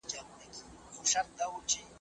که اړتيا وي ميرمن بايد له چا وپوښتي؟